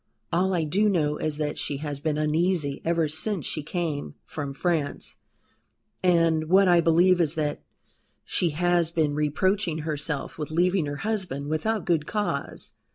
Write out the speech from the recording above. All I do know is that she has been uneasy ever since she came from France, and what I believe is that she has been reproaching herself with leaving her husband without good cause."